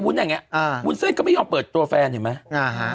วุ้นแบบเนี้ยอ่าวุ้นเสื้อก็ไม่ยอมเปิดตัวแฟนเห็นไหมอ่าฮะ